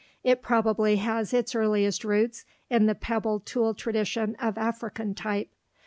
It probably has its earliest roots in the pebble tool tradition of African type.